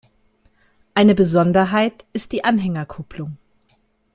Eine Besonderheit ist die Anhängerkupplung.